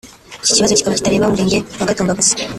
Iki kibazo kikaba kitareba Umurenge wa Gatumba gusa